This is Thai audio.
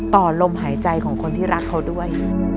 ต่อลมหายใจของคนที่รักเขาด้วย